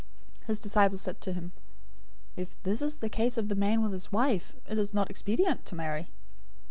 019:010 His disciples said to him, "If this is the case of the man with his wife, it is not expedient to marry."